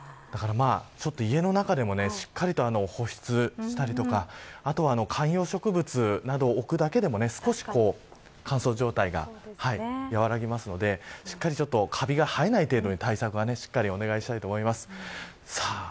家の中でもしっかりと保湿したりとか観葉植物などを置くだけでも乾燥状態が和らぎますのでかびが生えない程度に対策をしていただきたいと思います。